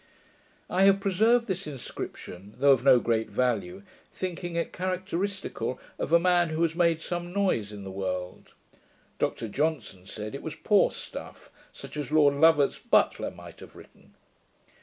I have preserved this inscription, though of no great value, thinking it characteristical of a man who has made some noise in the world. Dr Johnson said, it was poor stuff, such as Lord Lovat's butler might have written.